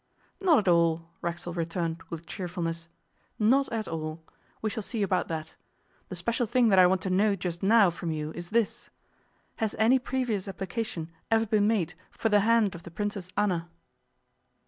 'Not at all,' Racksole returned with cheerfulness. 'Not at all. We shall see about that. The special thing that I want to know just now from you is this: Has any previous application ever been made for the hand of the Princess Anna?